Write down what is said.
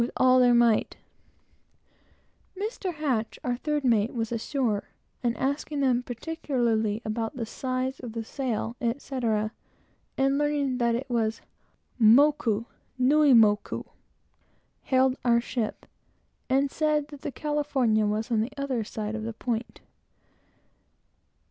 with all their might. Mr. H., our third mate, was ashore, and asking them particularly about the size of the sail, etc., and learning that it was "Moku Nui Moku," hailed our ship, and said that the California was on the other side of the point.